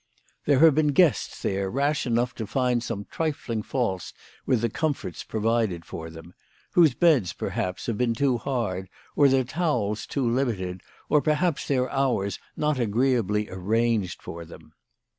There have been guests there rash enough to find some trifling faults with the comforts provided for them, whose beds perhaps have been too hard, or their towels too limited, or perhaps their hours not agreeably arranged for them.